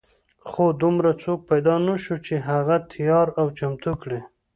خو دومره څوک پیدا نه شو چې هغه تیار او چمتو کړي.